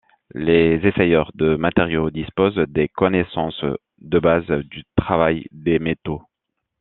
Les essayeurs de matériaux disposent des connaissances de base du travail des métaux.